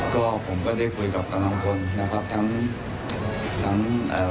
ก็ผมก็ได้คุยกับกำลังพลนะครับทั้งทั้งเอ่อ